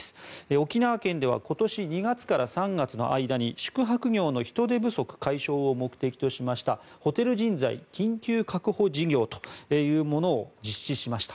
沖縄県では今年２月から３月の間に宿泊業の人手不足解消を目的としましたホテル人材緊急確保事業というものを実施しました。